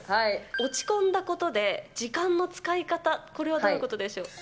落ち込んだことで時間の使い方、これはどういうことでしょう？